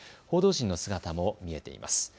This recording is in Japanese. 報道陣の姿も見えています。